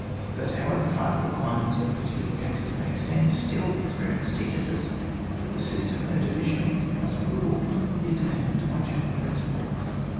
But, however far the require ments of particular cases may extend, still experience teaches us that the sys tem of divisioning as a rule is depen dent on general principles.